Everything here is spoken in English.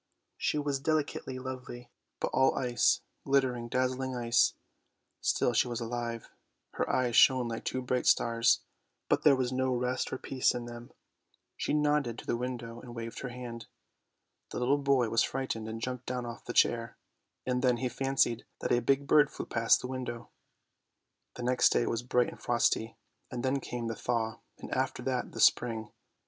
She was delicately lovely, but all ice, glittering, dazzling ice. Still she was alive, her eyes shone like two bright stars, but there was no rest or peace in them. She nodded to the window and waved her hand. The little boy was frightened and jumped down off the chair, and then he fancied that a big bird flew past the window. The next day was bright and frosty, and then came the thaw — and after that the spring.